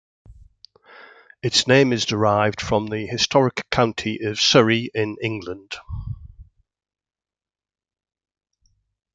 Its name is derived from the historic county of Surrey in England.